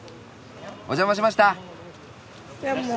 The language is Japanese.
お邪魔しました。